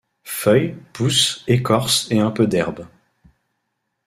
Feuilles, pousses, écorces et un peu d'herbes.